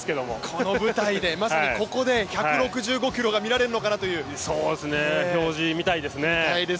この舞台で、まさにここで１６５キロが見られるのかなというそうですね、表示を見たいですね。